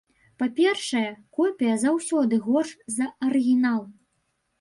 Па-першае, копія заўсёды горш за арыгінал.